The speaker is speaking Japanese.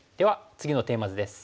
次のテーマ図です。